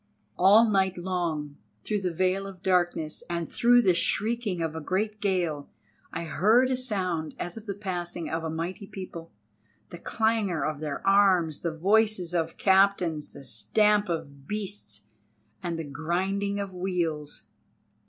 All night long through the veil of darkness, and through the shrieking of a great gale, I heard a sound as of the passing of a mighty people—the clangour of their arms, the voices of captains, the stamp of beasts, and the grinding of wheels.